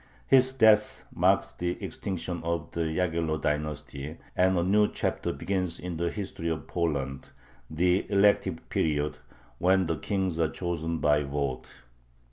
His death marks the extinction of the Yaghello dynasty, and a new chapter begins in the history of Poland, "the elective period," when the kings are chosen by vote.